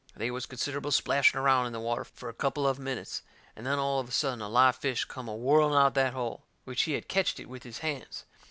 They was considerable splashing around in the water fur a couple of minutes. And then, all of a sudden, a live fish come a whirling out of that hole, which he had ketched it with his hands.